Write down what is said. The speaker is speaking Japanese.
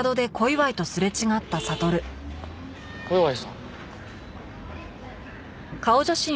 小祝さん？